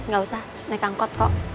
nggak usah naik angkot kok